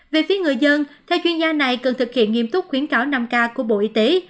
về phía người dân theo chuyên gia này cần thực hiện nghiêm túc khuyến cáo năm k của bộ y tế